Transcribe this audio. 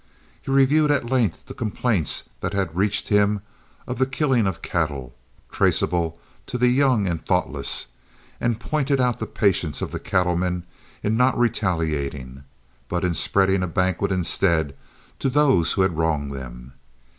He reviewed at length the complaints that had reached him of the killing of cattle, traceable to the young and thoughtless, and pointed out the patience of the cattlemen in not retaliating, but in spreading a banquet instead to those who had wronged them.